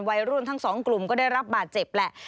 วัยรุ่นทั้งสองกลุ่มก็ได้รับบาดเจ็บแหละ